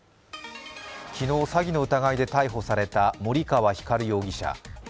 昨日、詐欺の疑いで逮捕された森川光容疑者。